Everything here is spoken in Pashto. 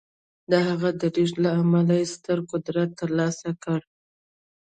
د هغه د لېږد له امله یې ستر قدرت ترلاسه کړ